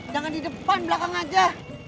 jangan di depan belakang aja